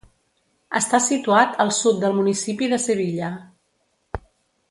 Està situat al sud del municipi de Sevilla.